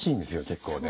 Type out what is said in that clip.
結構ね。